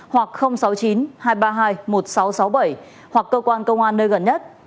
năm nghìn tám trăm sáu mươi hoặc sáu mươi chín hai trăm ba mươi hai một nghìn sáu trăm sáu mươi bảy hoặc cơ quan công an nơi gần nhất